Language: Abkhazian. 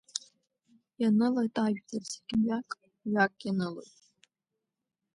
Ианылоит ажәлар зегьы мҩак, мҩак ианылоит.